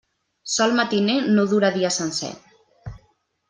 Sol matiner no dura dia sencer.